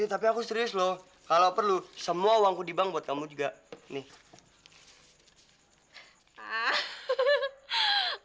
iya tapi aku serius loh kalau perlu semua uangku dibang buat kamu juga nih